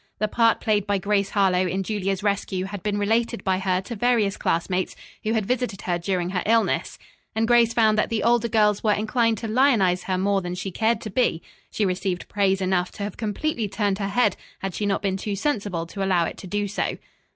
The part played by Grace Harlowe in Julia's rescue had been related by her to various classmates who had visited her during her illness, and Grace found that the older girls were inclined to lionize her more than she cared to be. She received praise enough to have completely turned her head had she not been too sensible to allow it to do so.